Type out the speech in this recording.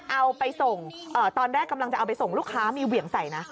เอาไปส่งตอนแรกกำลังจะเอาไปส่งลูกค้ามีเหวี่ยงใส่นะ